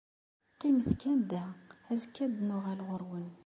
Qqimet kan da; azekka ad d-nuɣal ɣur-wen.